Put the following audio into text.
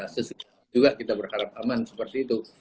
sesudah juga kita berharap aman seperti itu